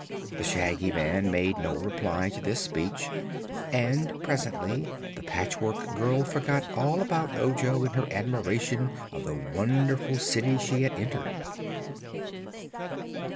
The Shaggy Man made no reply to this speech and presently the Patchwork Girl forgot all about Ojo in her admiration of the wonderful city she had entered.